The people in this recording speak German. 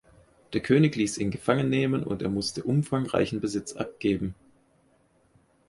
Der König ließ ihn gefangen nehmen, und er musste umfangreichen Besitz abgeben.